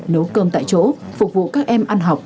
nấu cơm tại chỗ phục vụ các em ăn học